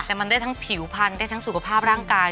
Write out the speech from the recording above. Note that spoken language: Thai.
แต่มันได้ทั้งผิวพันธุ์ได้ทั้งสุขภาพร่างกาย